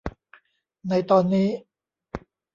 ในตอนนี้